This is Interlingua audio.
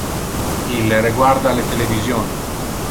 Ille reguarda le television.